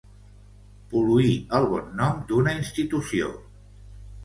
Pol·luir el bon nom d'una institució.